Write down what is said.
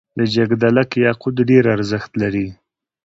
د جګدلک یاقوت ډیر ارزښت لري